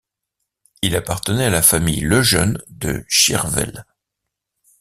Il appartenait à la famille Lejeune de Schiervel.